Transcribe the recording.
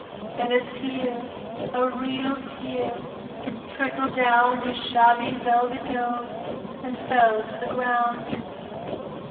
And a tear, a real tear, trickled down his little shabby velvet nose and fell to the ground.